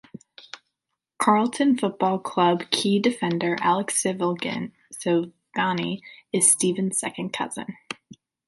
Carlton Football Club key defender Alex Silvagni is Stephen's second cousin.